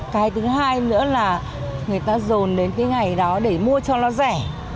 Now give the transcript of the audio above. cái thứ hai nữa là người ta dồn đến cái ngày đó để mua cho nó rẻ